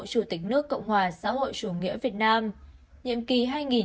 chủ tịch nước cộng hòa xã hội chủ nghĩa việt nam nhiệm kỳ hai nghìn hai mươi một hai nghìn hai mươi sáu